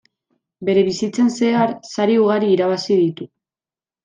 Bere bizitzan zehar sari ugari irabazi ditu.